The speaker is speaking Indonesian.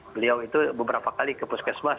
beliau itu beberapa kali ke puskesmas